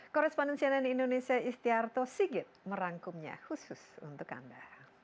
korrespondensi dan indonesia istiarto sigit merangkumnya khusus untuk anda